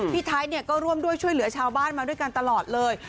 พี่ไทยก็ร่วมด้วยช่วยเหลือชาวบ้านมาด้วยกันตลอดเลย